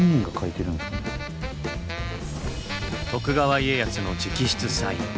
徳川家康の直筆サイン。